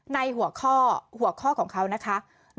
ในหัวข้อของเขานะคะ